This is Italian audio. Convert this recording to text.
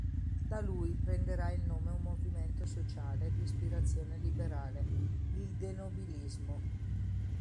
Da lui prenderà il nome un movimento sociale d’ispirazione liberale, il "denobilismo".